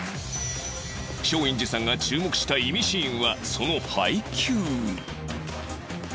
松陰寺さんが注目したイミシーンはその配球